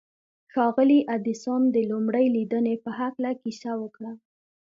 ښاغلي ايډېسن د لومړۍ ليدنې په هکله کيسه وکړه.